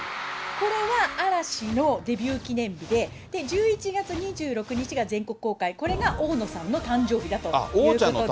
これは、嵐のデビュー記念日で、１１月２６日が全国公開、これが大野さんの誕生日だということで。